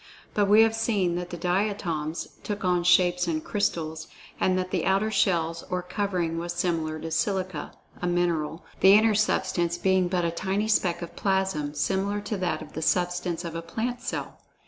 But we have seen that the Diatoms took on shapes of crystals, and that the outer shell or covering was similar to silicia, a mineral, the inner substance being but a tiny speck of plasm, similar to that of the substance of a plant cell.